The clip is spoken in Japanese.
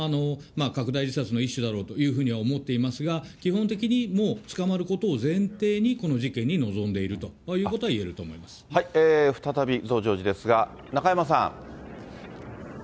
拡大自殺の一種だろうというふうには思っていますが、基本的にもう捕まることを前提に、この事件に臨んでいるということはいえる再び増上寺ですが、中山さん。